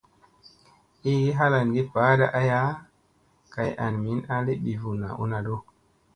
Iigi halangi baaɗa aya kay an min a li bivunna u naɗu.